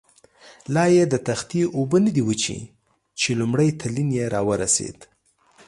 لایې د تختې اوبه نه دي وچې، چې لومړی تلین یې را ورسېد.